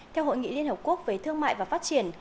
theo hội nghị liên hợp quốc về thương mại và phát triển